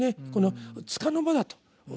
この束の間だと。